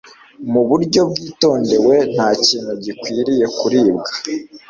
mu buryo bwitondewe. Nta kintu gikwiriye kuribwa